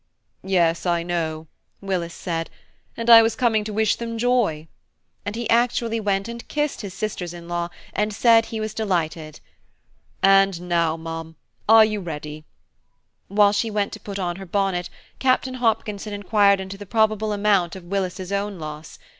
"Yes, I know," Willis said, "and I was coming to wish them joy," and he actually went and kissed his sisters in law, and said he was delighted. "And now, ma'am, are you ready?" While she went to put on her bonnet, Captain Hopkinson inquired into the probable amount of Willis's own loss.